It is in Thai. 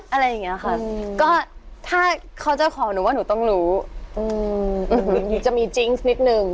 อะไรอย่างเงี้ยค่ะก็ถ้าเขาจะขอหนูว่าหนูต้องรู้จะมีจริงสักนิดนึง